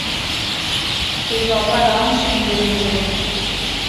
کوئی بابارام سنگھ دی مندے ہن۔